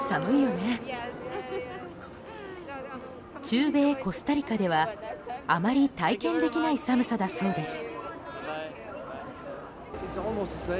中米コスタリカではあまり体験できない寒さだそうです。